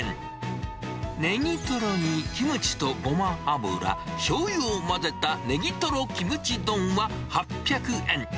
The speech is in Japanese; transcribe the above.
ねぎとろにキムチとごま油、しょうゆを混ぜたねぎとろキムチ丼は８００円。